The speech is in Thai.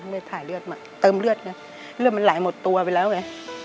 เลือดถ่ายเลือดมาเติมเลือดไงเลือดมันไหลหมดตัวไปแล้วไง